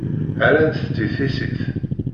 Rrant-tt i tissit.